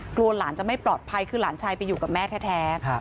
กลัวหลานจะไม่ปลอดภัยคือหลานชายไปอยู่กับแม่แท้